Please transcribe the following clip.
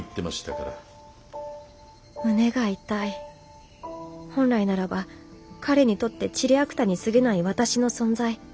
胸が痛い本来ならば彼にとってちりあくたにすぎない私の存在。